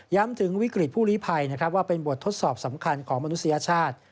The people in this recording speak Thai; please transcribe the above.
ย้ำถึงวิกฤตผู้ลิภัยว่าเป็นบททดสอบสำคัญของมนุษยชาติ